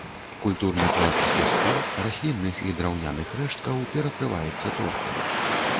Культурны пласт з пяску, раслінных і драўняных рэшткаў перакрываецца торфам.